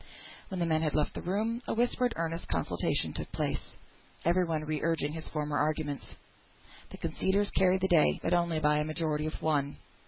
When the men had left the room, a whispered earnest consultation took place, every one re urging his former arguments. The conceders carried the day, but only by a majority of one.